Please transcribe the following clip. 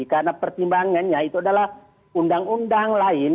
karena pertimbangannya itu adalah undang undang lain